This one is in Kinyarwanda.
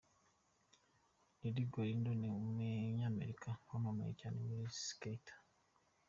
Rudy Galindo: Ni umunyamerika wamamaye cyane muri Skater.